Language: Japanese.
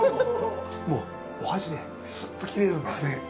もうお箸でスッと切れるんですね。